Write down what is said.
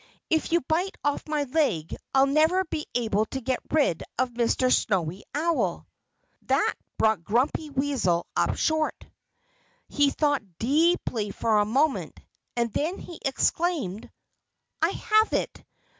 "If you bite off my leg I'd never be able to get rid of Mr. Snowy Owl." That brought Grumpy Weasel up short. He thought deeply for a moment; and then he exclaimed: "I have it!